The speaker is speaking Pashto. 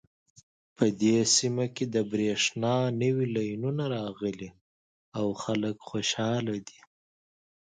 په دې سیمه کې د بریښنا نوې لینونه راغلي او خلک خوشحاله دي